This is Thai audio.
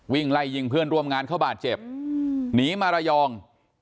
วิ่งไล่ยิงเพื่อนร่วมงานเขาบาดเจ็บหนีมาระยอง